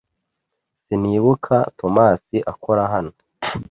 Sinibuka Tomasi akora hano.